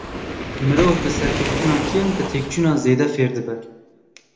Mirov bi serkeftinan kêm, bi têkçûnan zêde fêr dibe.